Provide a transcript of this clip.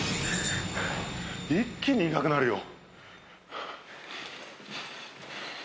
一気にいなくなるよ。